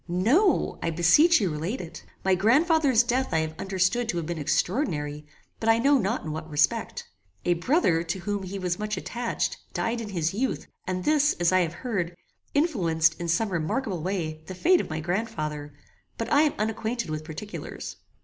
"No. I beseech you relate it. My grandfather's death I have understood to have been extraordinary, but I know not in what respect. A brother, to whom he was much attached, died in his youth, and this, as I have heard, influenced, in some remarkable way, the fate of my grandfather; but I am unacquainted with particulars."